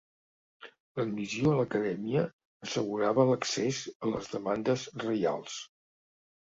L'admissió a l'Acadèmia assegurava l'accés a les demandes reials.